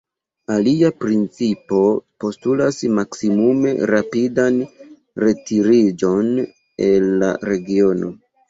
Alia principo postulas maksimume rapidan retiriĝon el la regiono.